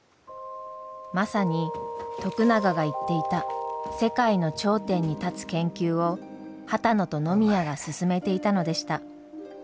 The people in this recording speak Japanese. まさに徳永が言っていた世界の頂点に立つ研究を波多野と野宮が進めていたのでした。